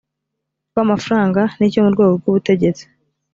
rw amafaranga n icyo mu rwego rw ubutegetsi